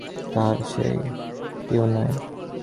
তাঁহার সেই ভগ্নপ্রায় টিনের পেঁটরা টিও নাই।